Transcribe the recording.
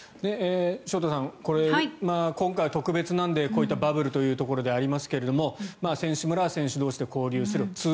潮田さん、これ今回は特別なのでこういったバブルというところではありますけど選手村は選手同士で交流する。